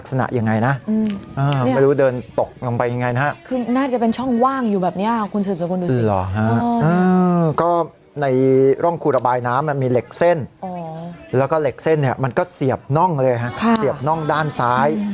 ติดอยู่ในร่องกูระบายน้ำ